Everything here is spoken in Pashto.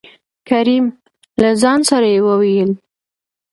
کريم : له ځان سره يې ووېل: